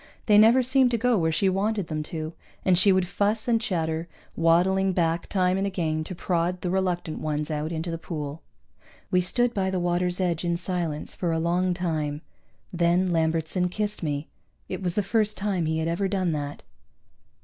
They never seemed to go where she wanted them to, and she would fuss and chatter, waddling back time and again to prod the reluctant ones out into the pool. We stood by the water's edge in silence for a long time. Then Lambertson kissed me. It was the first time he had ever done that.